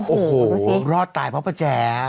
โอ้โหรอดตายเพราะป้าแจ๋